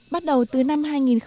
bắt đầu từ năm hai nghìn một mươi